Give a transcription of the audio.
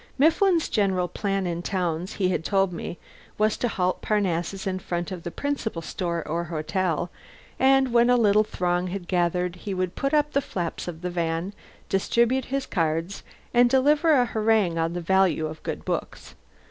Mifflin's general plan in towns, he had told me, was to halt Parnassus in front of the principal store or hotel, and when a little throng had gathered he would put up the flaps of the van, distribute his cards, and deliver a harangue on the value of good books.